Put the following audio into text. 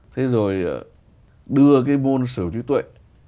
thế rồi đưa cái môn sở trí tuệ